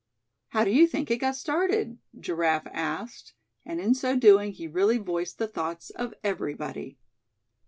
"How do you think it started?" Giraffe asked, and in so doing he really voiced the thoughts of everybody.